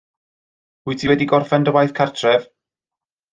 Wyt ti wedi gorffen dy waith cartref?